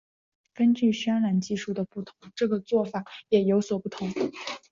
根据渲染技术的不同这个做法也有所不同。